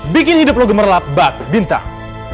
bikin hidup lo gemerlap batu bintang